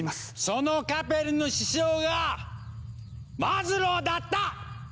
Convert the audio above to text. そのカペルの師匠がマズローだった！